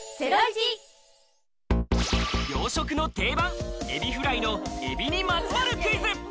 洋食の定番エビフライのエビにまつわるクイズ。